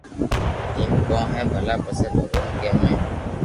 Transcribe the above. ايم ڪون ھي ڀلا پسي ڀگوان ڪي اي